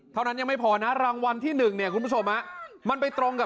เท่านั้นยังไม่พอนะรางวัลที่๑มันไปตรง